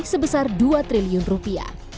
sebesar dua triliun rupiah